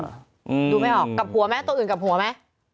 ดูไม่ออกกับหัวไหมตัวอื่นกับหัวไหม